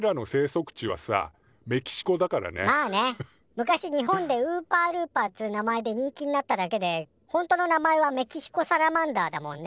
昔日本で「ウーパールーパー」っつう名前で人気になっただけでほんとの名前は「メキシコサラマンダー」だもんね。